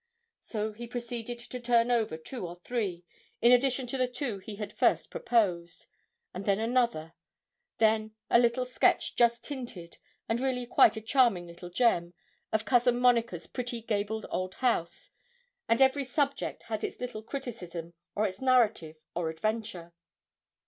So he proceeded to turn over two or three, in addition to the two he had at first proposed, and then another; then a little sketch just tinted, and really quite a charming little gem, of Cousin Monica's pretty gabled old house; and every subject had its little criticism, or its narrative, or adventure.